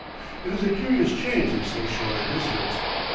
It is a curious change in so short a distance.